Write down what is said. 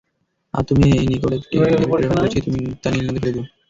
আর তোমার নিকট একটি লিপি প্রেরণ করছি, তুমি তা নীল নদে ফেলে দিও।